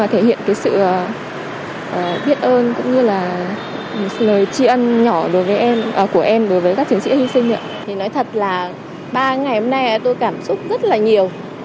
thì nói thật là ba ngày hôm nay tôi cảm xúc rất là nhiều